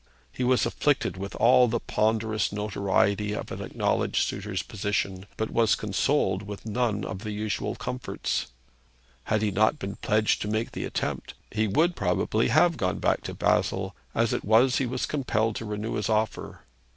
He was afflicted with all the ponderous notoriety of an acknowledged suitor's position, but was consoled with none of the usual comforts. Had he not been pledged to make the attempt, he would probably have gone back to Basle; as it was, he was compelled to renew his offer.